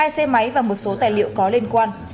hai xe máy và một số tài liệu có liên quan